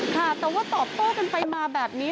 ค่ะแต่ว่าตอบโต้กันไปมาแบบนี้